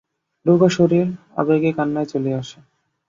রোগা শরীর, আবেগে কান্নাই চলিয়া আসে।